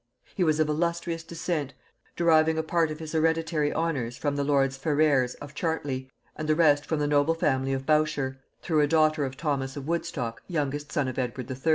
He was of illustrious descent, deriving a part of his hereditary honors from the lords Ferrers of Chartley, and the rest from the noble family of Bourchier, through a daughter of Thomas of Woodstock youngest son of Edward III.